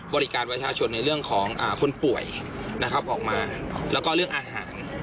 บริการประชาชนในเรื่องของคนป่วยนะครับออกมาแล้วก็เรื่องอาหาร